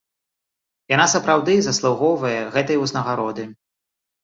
Яна сапраўды заслугоўвае гэтай узнагароды.